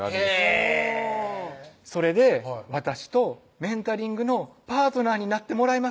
へぇそれで「私とメンタリングのパートナーになってもらえませんか？」